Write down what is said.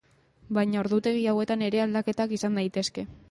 Baina ordutegi hauetan ere aldaketak izan daitezke.